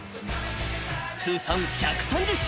［通算１３０勝。